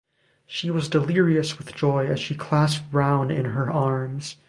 She was delirious with joy as she clasped Browne in her arms.